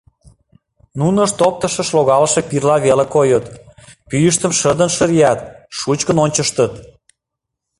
Нунышт оптышыш логалше пирыла веле койыт: пӱйыштым шыдын шырият, шучкын ончыштыт.